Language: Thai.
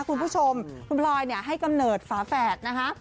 คุณผู้ชมคุณพลอยให้กำเนิดฝาแฝดนะคะ